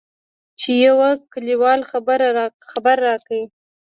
چې يوه کليوال خبر راکړ.